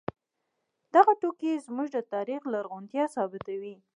دغه توکي زموږ د تاریخ لرغونتیا ثابتوي.